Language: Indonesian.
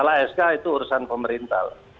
kalau sk itu urusan pemerintah